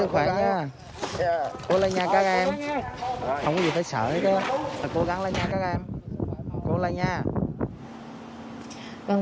không có gì phải sợ hết cố gắng lên nha các em cố lên nha